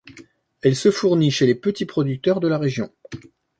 Elle se fournit chez les petits producteurs de la région.